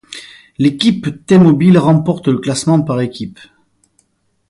L'équipe T-Mobile remporte le classement par équipes.